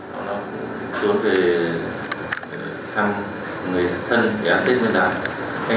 họ nói chốt về thăm người thân để ăn tết với đàn